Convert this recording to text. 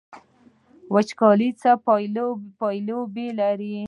وچکالي څه پایلې لري؟